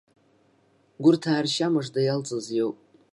Гәырҭаа ршьа мыжда иалҵыз иоуп.